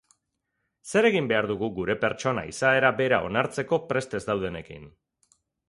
Zer egin behar dugu gure pertsona izaera bera onartzeko prest ez daudenekin?